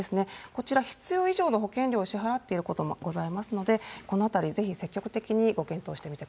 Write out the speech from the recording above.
こちら、必要以上の保険料を支払っていることもございますので、このあたり、ぜひ積極的にご検討